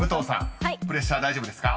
［プレッシャー大丈夫ですか？］